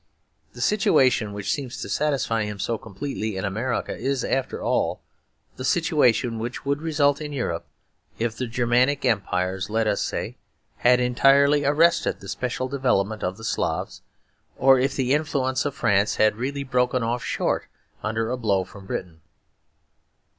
The situation which seems to satisfy him so completely in America is, after all, the situation which would result in Europe if the Germanic Empires, let us say, had entirely arrested the special development of the Slavs; or if the influence of France had really broken off short under a blow from Britain.